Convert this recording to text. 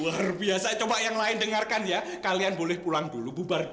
ah dia sih cuma nganterin doang pak